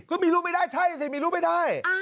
ก็มีลูกไม่ได้ใช่สิมีลูกไม่ได้